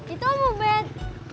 itu om ubed